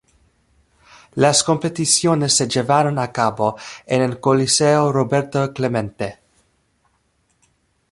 Las competiciones se llevaron a cabo en el Coliseo Roberto Clemente.